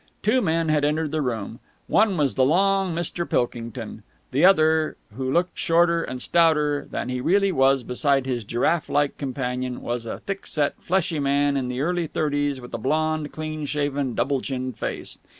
Two men had entered the room. One was the long Mr. Pilkington. The other, who looked shorter and stouter than he really was beside his giraffe like companion, was a thick set, fleshy man in the early thirties with a blond, clean shaven, double chinned face.